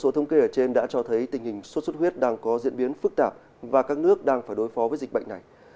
số thông kê ở trên đã cho thấy tình hình xuất xuất huyết đang có diễn biến phức tạp và các nước đang phải đối phó với dịch bệnh này